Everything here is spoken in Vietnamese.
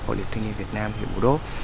hội liên hiệp thanh niên việt nam hiệp hồ đốc